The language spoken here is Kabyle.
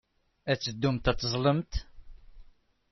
I teddumt ad teẓẓlemt?